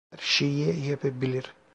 Her şeyi yapabilir.